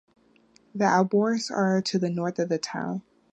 The Alborz are to the north of the town.